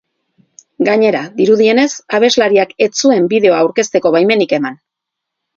Gainera, dirudienez, abeslariak ez zuen bideoa aurkezteko baimenik eman.